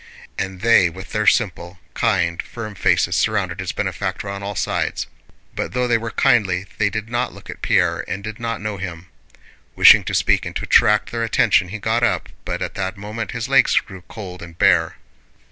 And they with their simple, kind, firm faces surrounded his benefactor on all sides. But though they were kindly they did not look at Pierre and did not know him. Wishing to speak and to attract their attention, he got up, but at that moment his legs grew cold and bare.